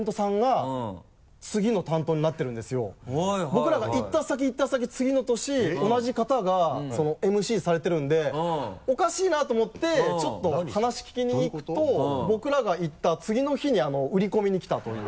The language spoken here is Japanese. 僕らが行った先行った先次の年同じ方がＭＣされてるんでおかしいなと思ってちょっと話聞きに行くと僕らが行った次の日に売り込みに来たという。